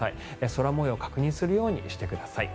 空模様を確認するようにしてください。